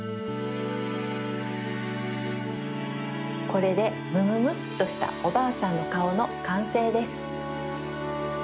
これでむむむっとしたおばあさんのかおのかんせいです。